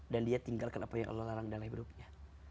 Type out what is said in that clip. dan dia tinggalkan apa yang allah larang dalam hidupnya